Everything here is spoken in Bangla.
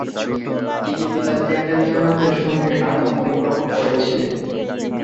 তিনি পিতা দেবেন্দ্রনাথের সঙ্গে ঢাকা পরিভ্রমণ করেছিলেন।